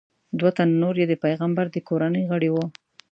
دوه تنه نور یې د پیغمبر د کورنۍ غړي وو.